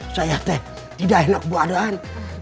saya teh tidak enak kebawa dan